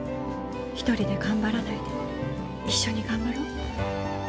１人で頑張らないで一緒に頑張ろう。